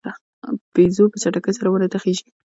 بیزو په چټکۍ سره ونو ته خیژي.